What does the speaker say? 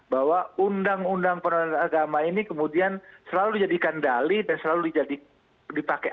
bahwa undang undang penolakan agama ini kemudian selalu dijadikan dali dan selalu dipakai